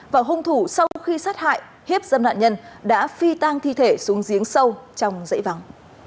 và hung thủ sau khi sát hại hiếp dâm nạn nhân đã phi tang thi thể xuống giếng sâu trong dãy vắng